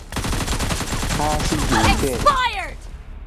Haasa gbong tii.